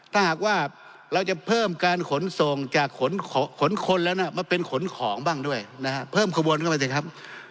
ถ้าหากว่าเราจะเพิ่มการขนส่งจากขนคนแล้วนะมาเป็นขนของบ้างด้วยนะครับ